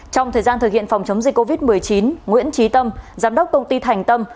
trong thời gian thực hiện phòng chống dịch covid một mươi chín nguyễn trí tâm giám đốc công ty thành tâm